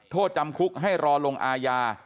โทษจำคุกให้รอลงอาญา